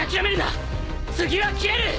次は斬れる！